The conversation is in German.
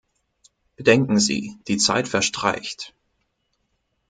Bedenken Sie, die Zeit verstreicht!